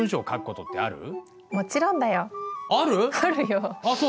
あるよ。